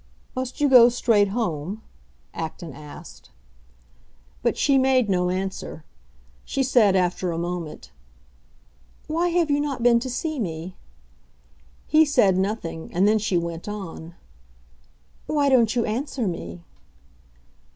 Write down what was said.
"Must you go straight home?" Acton asked. But she made no answer. She said, after a moment, "Why have you not been to see me?" He said nothing, and then she went on, "Why don't you answer me?"